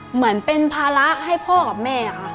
เหมือนเป็นภาระให้พ่อกับแม่ค่ะ